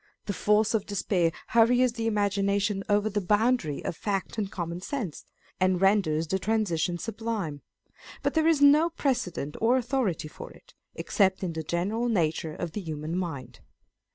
The force of despair hurries the imagination over the boundary of Scott, Racine, and Shakespeare. 481 fact and common sense, and renders the transition sublime ; but there is no precedent or authority for it, except in the general nature of the human mind.